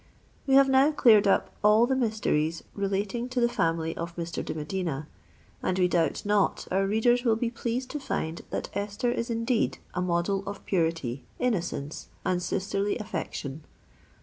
We have now cleared up all the mysteries relating to the family of Mr. de Medina; and we doubt not our readers will be pleased to find that Esther is indeed a model of purity—innocence—and sisterly affection.